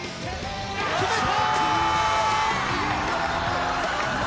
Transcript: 決めた！